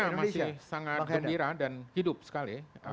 saya masih sangat gembira dan hidup sekali